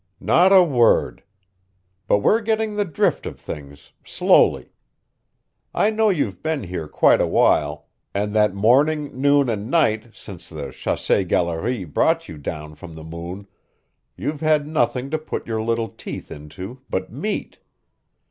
"Not a word. But we're getting the drift of things slowly. I know you've been here quite a while, and that morning, noon and night since the chasse galere brought you down from the moon you've had nothing to put your little teeth into but meat.